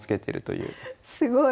すごい。